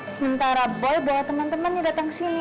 sementara boy bawa teman temannya datang sini